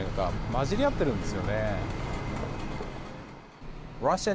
交じりあっているんですよね。